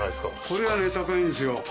これはね高いんですよ。